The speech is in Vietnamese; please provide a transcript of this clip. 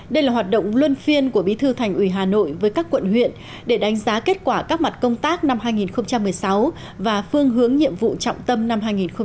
đây là hoạt động luân phiên của bí thư thành ủy hà nội với các quận huyện để đánh giá kết quả các mặt công tác năm hai nghìn một mươi sáu và phương hướng nhiệm vụ trọng tâm năm hai nghìn hai mươi